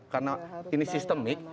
karena ini sistemik